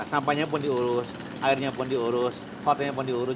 sampahnya pun diurus airnya pun diurus fotonya pun diurus